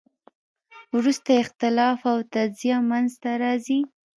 وروسته اختلاف او تجزیه منځ ته راځي.